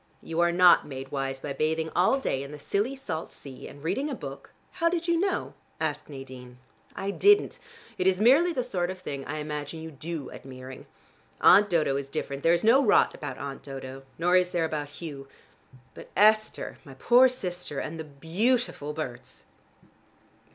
You are not made wise by bathing all day in the silly salt sea, and reading a book " "How did you know?" asked Nadine. "I didn't: it is merely the sort of thing I imagine you do at Meering. Aunt Dodo is different: there is no rot about Aunt Dodo, nor is there about Hugh. But Esther, my poor sister, and the beautiful Berts!"